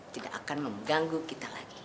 tidak akan mengganggu kita lagi